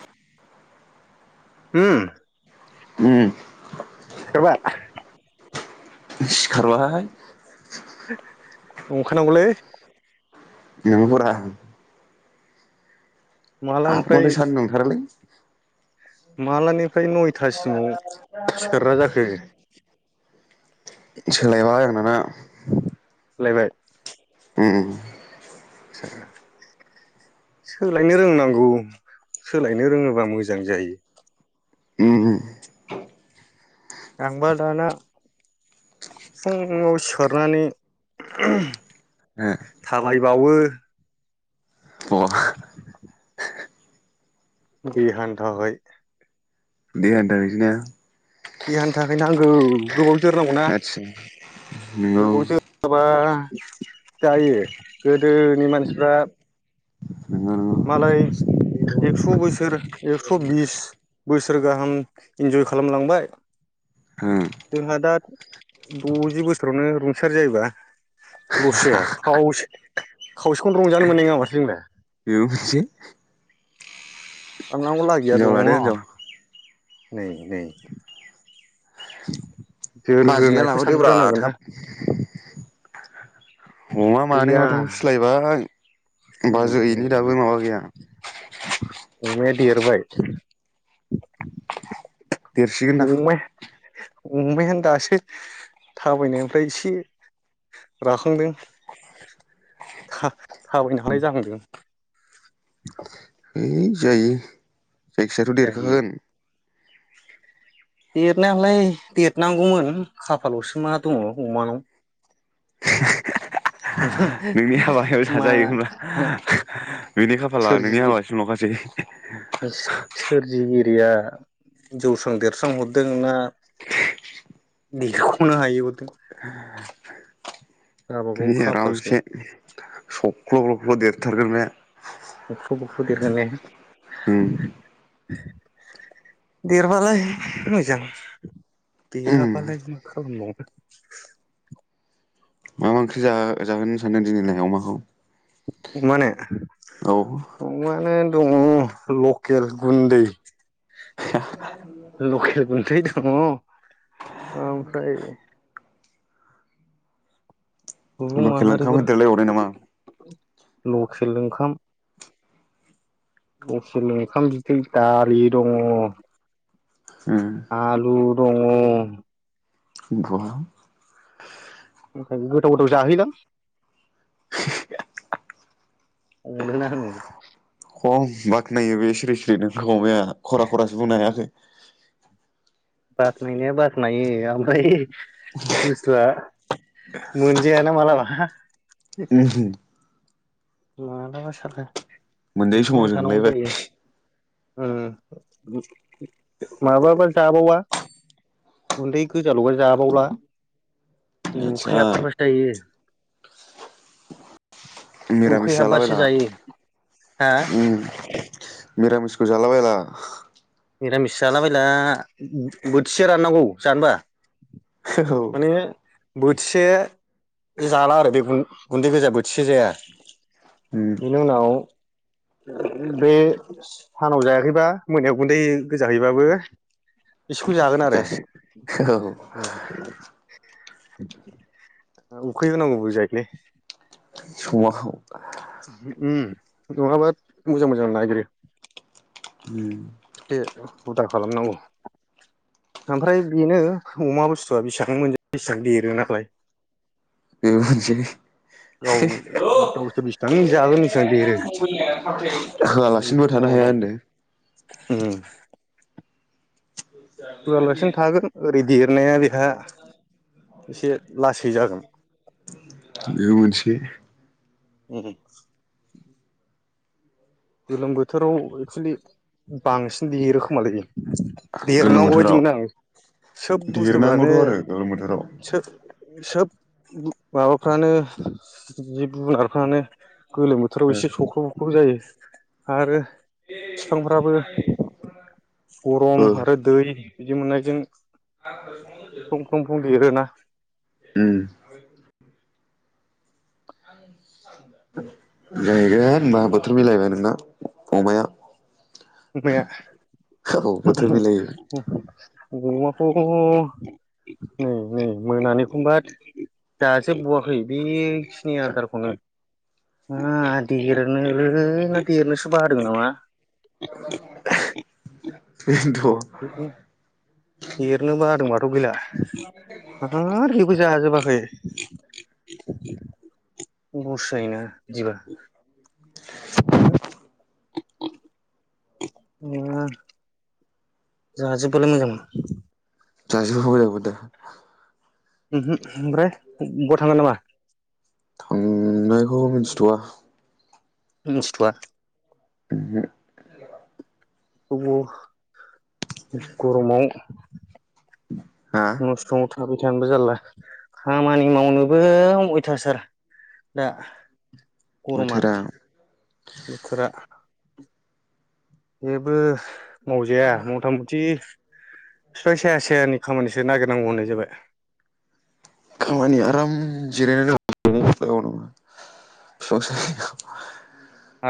औ हम उम सिखारबाय? सिखारबाय नंखायना नंगौलै नंगौ ब्रा माला आब मथो सानदुं थारालै मालानि जाखो सोलायबाय दाना लायबाय ओम आसा सोलायनो रोंनांगौ सोलायनो रोङोबा मोजां जायो। ओ ओम आंबा दाना फुङाव सिखारनानै थाबायबावो ओ अ [inaudible] देहानि थाखाय। देहानि थाखाय सोना? देहानि थाखाय नांगौ। गोबाव जोरनांगौना आदसा नंगौ गोबाव जोराबा जायो गोदोनि मानसिफ्रा नंगौ नंगौ मालाय एक्स' बोसोर एक्स, बिस बोसोर गाहाम इन्जय खालामलांबाय ओ जोंहा दा दजि बोसोरावनो रुंसारि जायोबा लस जाया खावसे खावसेखौनो रंजानो मोननाय नङा माथो जोंलाय बेबो मोनसे साननांगौ लागिया हिनजाव दङ लादो हिनजाव नै नै बाजैया जोरग्रोनायखौ लाबोदोब्रा सानग्रोनांगोन ना थाब। अमा मानै गैया माथाम फिलायबाय नै नै बाजैनि नै दाबो माबा गैया अमाया देरबाय देरसिगोन दा अमाया अमायानो दासो थाबायनायनिफ्राइ इसे राखांदों था-थाबायनो हानाय जाहांदों। है जायो। जायखियाथ जायो देरखागोन रनायालाय देरनांगौमोन खाफालावसो मा दङ अमानाव नोंनि हाबायाव मा जाजायो होमबा बेनि खाफाला नोंनि हाबासिमलखासै [inaudible] सो-सोरजिगिरिया जौस्रां देरस्रां हरदों ना देरखनो हायै हर गावबागाव दे खाफालसै आरामसे सक्ल बख्ल देर थारगोन बे बुख्रु बुख्रु देरगोन ने उम देरबालाय मोजां । उम देराबालाय मा खालामबावनो? मा मा ओंख्रि जा-जाहोनो सानदों दिनैलाय अमाखौ? अमानो? औ अमानो दङ लकेल गुन्दै लकेल गुन्दै दं। दङ ओमफ्राय सुबुं लकेल ओंखाम माहारिफोर होदेर लायबावनाय नामा? लकेल ओंखाम लखेल ओंखाम बिदै दालि दङ उम आलु दङ। [unintelligible] गोथाव गोथाव जाहोयोलां अनोना होन खम बाख्नायो बे सिरि सिरि नोंखौ अमाया खरा खरासो बुंनो हायाखै। बाखनायनाया बाखनायो ओमफ्राय बुस्थुया मोनजाया ना मालाबा। [unintelligible] [unintelligible] मालाबा साला मोनजायै समाव अखायावनो थानांगौ जोंलायबाय जायो ओम। माबाबा जाबावआ गुन्दै गोजालबा जाबावला आदसा नुखै हाबथारबासो जायो। मिरामिस उखैहाबबासो जालाबायला जायो हा उम मिरामिसखौ जालाबायला। निरामिस जालाबायला बोथिसे राननांगौ जानोबा माने औ। बोथिसे जाला आरो बे गुन्दै गोजा बोथिसे जाया। उम बेनि उनाव बे सानाव जायाखैबा मोनायाव गुन्दै गोजाहैबाबो एसेखौ जागोन आरो जासि औ उखैहोनांगौबो जायोलै। संआखौ। उम नङाबा मोजां मोजां नागिरो। उम। एसे हुदा खालामनांगौ ओमफ्राय बेनो अमा बुस्थुआ बेसेबां मोनजायो बेसेबां देरो नालाय। बेबो मोनसे। गाव गावसोरो बेसेबां जागोन बेसिबां देरो होआलासिनोबो थानो हाया उम। होनदों होआलासिनो थागोन। [unintelligible] एसे लासै जागोन बेबो मोनसे। ओम ओम। गोलोम बोथोराव एक्सुलि बांसिन देरो खोमालै? गोलोम देरनांगौ बायदि बोथोराव मोनो आं सोब देरनांगौथ' बुस्थुफ्रानो आरो गोलोम बोथोराव सोब सोब माबाफ्रानो जिब जुनारफ्रानो गोलोम बोथोराव एसे सखौ। खौ जायो। आरो फिफांफोराबो गरम ओ आरो दै बिदि मोननायजों फ्लं फ्लं फ्लं देरोना। उम आं गायबाय होनबा बोथोर मिलायबाय नोंना। फंबाया। बोथोर मिलायो [unintelligible] अमाथ' नै नै मोनानिखौबा जाजोबबवाखै बेखिनि आदारखौनो मा देरनो देरनोसो बादों नामा? [unintelligible] बेनोथ' देरनो बादोंबाथ' गैला आरो। जाजोबाखै बसायोना बिदिबा। हो। [unintelligible] जोंहा [unintelligible] जाजोब [unintelligible] ओहो ओमफ्राय [unintelligible] थांगोन नामा थांनायखौ मिथिथवा मिथिथआ ओहो औब गरमाव [unintelligible] हा थाबाय थानोबो जारला खामानि मावनोबो अयथासार दा गरमा बोथोरा बोथोरा जेबो मावजाया मथा मथि फिफां साया सायानि खामानिसो नागिरनांगौ होननाय जाबाय । खामानि आराम जिरायनानै बिफां सायायाव ।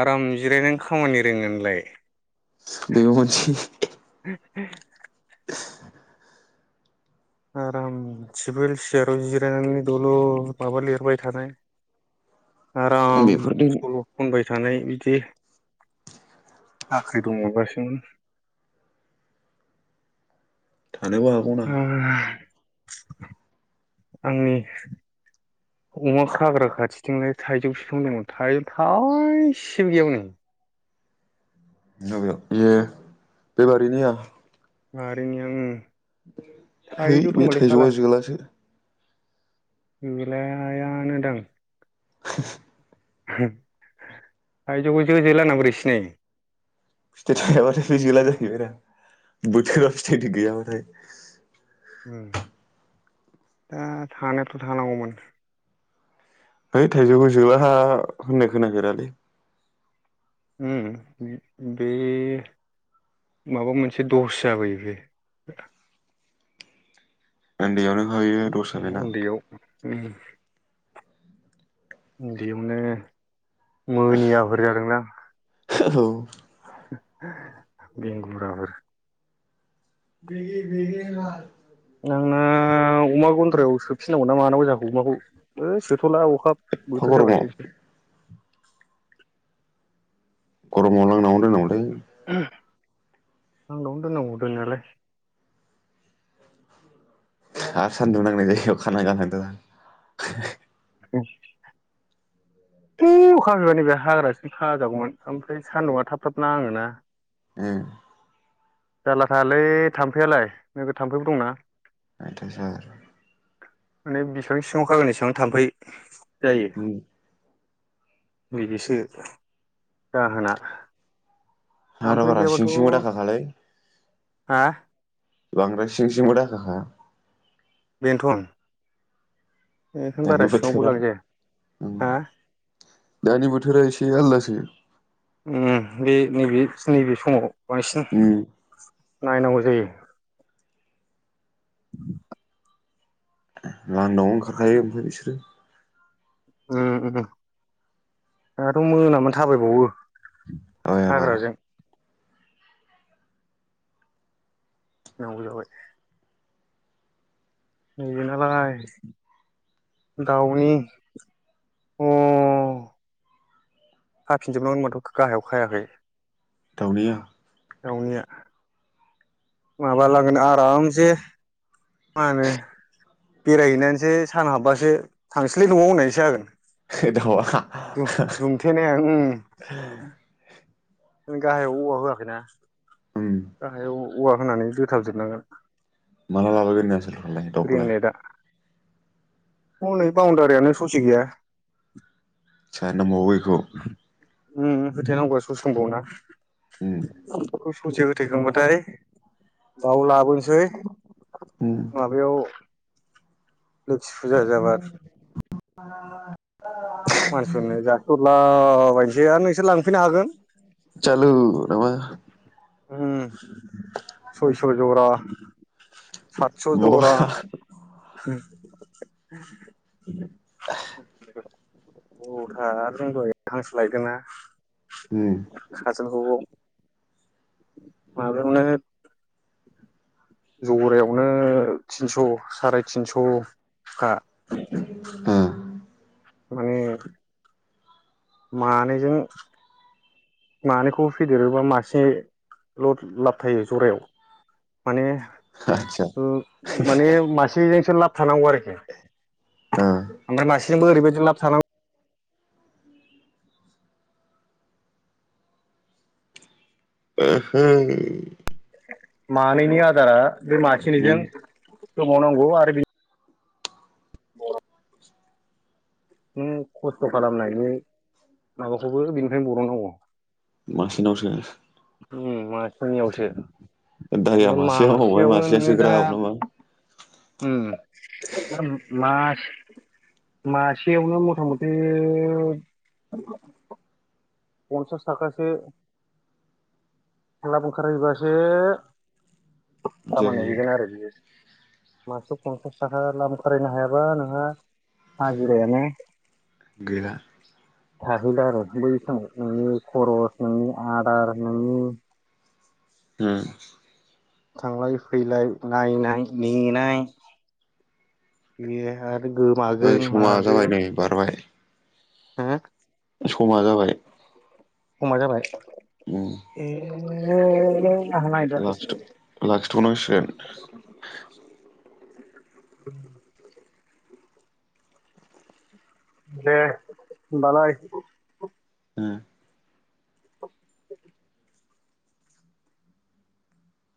आराम जिरायनो खामानि रोङोनलाय । बेबो मोनसे [unintelligible] [unintelligible] आराम सिभिल सियाराव जिरायनानै दलद माबा लिरबाय थानाय । आराम बेफोरजों सल खनबाय थानाय बिदि साख्रि दं मोनबासोमोन थानोबो हागौना । आंनि अमा खाग्रा खाथिथिंलाय थाइजौ फिखां दंमोन थाइजौ थाइसेबो गैया हनै । मबे बेयो बे बारिनिया । बारिनिया ओम हैै बे थाइजौआ जोलासो । जोलायानोदां [unintelligible] थायजौखौ जो जोला होनना बोरै सिनायो । फिथाइ थायाबाथाय बे जोला जाहैबायरा बोथोराव फिथाइ गैयाबाथाय । ओम दा थानायाथ थानांगौमोन । है थाइजौखौ जोलाहा होननाय खोनाफेरालै । ओम बे माबा मोनसे दस जाबाय बे ओन्दैयावनो होयो दस्सो बेना उन्दैयाव उम उन्दैयावनो मोनियाफोर जादोंदां [inaudible] बेंगुराफोर [unintelligible] आंनो अमा गन फोराव सोफिनांगौ ना मानांगौ जागौ अमाखौ थला अखा एफा बोथोर गरमाव जाबासो गरमाव लांदांआवनो दोननांगौलै । दांआवनो दोननांगौ दोननायालाय। सा-सा-सान्दुं नांनाय जायगायाव खाना गालांदोबा औ उ अखा हागोन आंनिबा हाग्रासो खाजागौमोन ओमफ्राय सान्दुंआ थाब थाब नाङोना । ए जारला थालै थाम्फैयालाय नोगोर थाम्फैबो दंना। आयथा सार माने बिसेबांनि सिङाव खागोन एसेबां थाम्फै जायो। बिदिसो जाहोना हार थाम्फै बारा सिं गैयाबाथ' सिंबो दाखाखालै। हा बांद्राय सिं सिंबो दाखाखा बेनथन बेखायनो दानि बारा सिङावबो बोथोरा लांजाया ओम हा दानि बोथोरा एसे आलादासो उम बे नैबे नैबे समाव बांसिन ओम नायनांगौ जायो। लांदां लांदांङावनो ओंखारखायो ओमफ्राय बिसोरो ओम ओम दाथ मोनामानि थाबायबावो आबाय आबा हाग्राजों नौ जाबाय [unintelligible] नालाय दाउनि अ हाफिनजोबनांगन माथो गाहायाव खायाखै। दावदैया दावनिया माबा लागोन आरामसे मा होनो बेरायहैनानैसो सान हाबबासो थांसैलाय न'आव होननायसो जागोन। दाउआ द-दुमथेनायानो ओम गाहायाव औवा होआखैना ओम गाहायाव औवा होनानै दोथाबजोबनांगोन माला लाबोगोननो आसोलफोरखौलाय ग्रिन दाउखौलाय नेटआ हनै बाउणडारियानो ससे गैया [unintelligible] ओम ओम होथेनांगौआ ससे दंबाव ना ओम [unintelligible] ससे होथे खांबाथाय बाव लाबोनोसै ओम माबायाव [unintelligible] जाबा [unintelligible] [inaudible] मानसिफोरनो जासिहरला आबायनोसै आ नोंसोर लां चालु नामा उ सयस' जरा सातस' बहा जरा [inaudible] औ‌ थार जों दहाय हांसो लायदोंना ओम [unintelligible] माबायावनो जरायावनो थिनस' साराय थिनस' खा हा माने मानैजों मानैखौबो फेदेरोबा मासेल' लाब थायो जरायाव माने आतसा ओ माने मासेजोंसो लाब थानांगौ आरोखि ओ ओमफ्राय मासेजोंबो ओरैबायदि लाब सानाव ओहोय मानैनि आदारा बे नों मासेनिजों होबावनांगौ आरो बि [unintelligible] नों खस्थ खालामनायनि माबाखौबो बेनिफ्रायनो बरननांगौ। मासे नावसो उम मासेनियावसो दारिया ओमफ्राय मासेयाव हबाय मासेयावनो मासेयासो ग्राब नामा? होम मास मासेयावनो मथा मथि पन्सास थाखासो लाब ओंखारहैबासो खामानि जाहैयो हैगोन आरो बियो। मासेआव पन्सास थाखा लाब ओंखारहैनो हायाबा नोंहा हाजिरायानो गैला थाहैला आरो बै समाव नोंनि खरस नोंनि आदार नोंनि हम थांलाय फैलाय नायनाय नेनाय बे आ ओइ समा जाबाय नै बारबाय हो समा जाबाय समा जाबाय ए [unintelligible] लाखिथ नायथ'वाखै लखिथ नांसिगोन [inaudible] दे होनबालाय उम [inaudible]